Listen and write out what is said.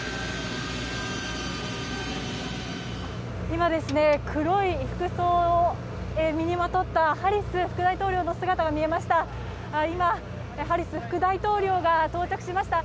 今ですね黒い服装を身にまとったハリス副大統領の姿が見えました。